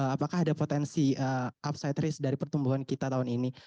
apakah ada potensi upside risk dari pertumbuhan kita tahun ini